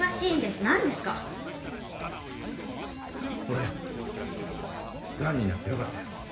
俺がんになってよかったよ。